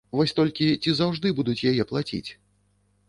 Вось толькі ці заўжды будуць яе плаціць?